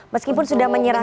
meskipun sudah menyerah